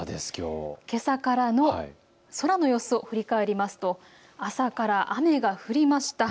けさからの空の様子を振り返りますと朝から雨が降りました。